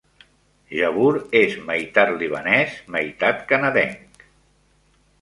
Jabour és meitat libanès, meitat canadenc.